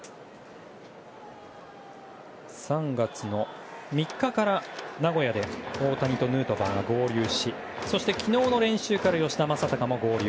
３月３日から名古屋で大谷とヌートバーが合流しそして昨日の練習から吉田正尚も合流。